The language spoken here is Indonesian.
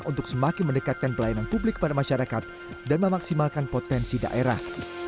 untuk semakin mendekatkan pelayanan publik kepada masyarakat dan memaksimalkan potensi daerah